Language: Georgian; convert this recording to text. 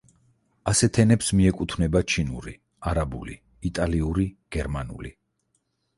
ასეთ ენებს მიეკუთვნება ჩინური, არაბული, იტალიური, გერმანული.